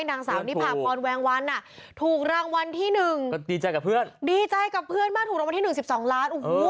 หนังสาวนี่ผ่าพลแวงวัลนี่ถูกรางวัลที่๑ดีใจกับเพื่อนมากถูกรางวัลที่๑๑๒ล้าน